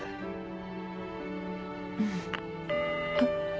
うん。あっ。